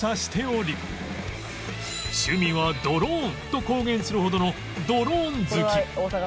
趣味はドローンと公言するほどのドローン好き